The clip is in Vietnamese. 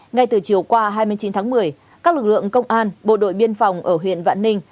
ngay từ chiều qua hai mươi chín tháng một mươi các lực lượng công an bộ đội biên phòng ở huyện vạn ninh